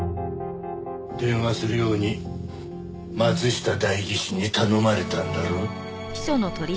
電話するように松下代議士に頼まれたんだろう？